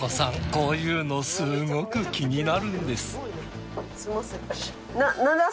こういうのすごく気になるんです。